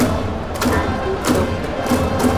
Agbeto.